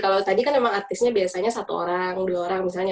kalau tadi kan memang artisnya biasanya satu orang dua orang misalnya